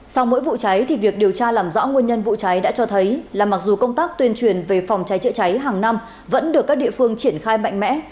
sau mỗi vụ cháy thì việc điều tra làm rõ nguyên nhân vụ cháy đã cho thấy là mặc dù công tác tuyên truyền về phòng cháy chữa cháy hàng năm vẫn được các địa phương triển khai mạnh mẽ